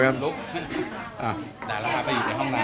นั่นคนเดียวครับ